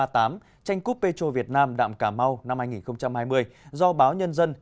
tranh cúp pê chô việt nam đạm cà mau năm hai nghìn hai mươi do báo nhân dân